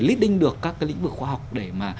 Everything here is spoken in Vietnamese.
lít đinh được các cái lĩnh vực khoa học để mà